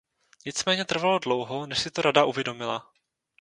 Nicméně trvalo dlouho, než si to Rada uvědomila.